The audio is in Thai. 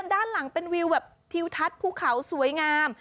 ด้านหลังเป็นวิวแบบทิวทัศน์ภูเขาสวยงาม